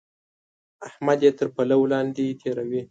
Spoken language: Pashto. احمد يې تر پلو لاندې تېروي.